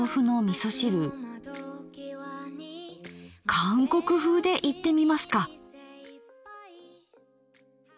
韓国風でいってみますか。